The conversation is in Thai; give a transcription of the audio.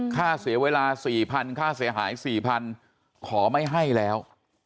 ค่าเสียเวลา๔๐๐ค่าเสียหาย๔๐๐ขอไม่ให้แล้ว